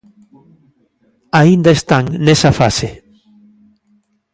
Aínda están nesa fase.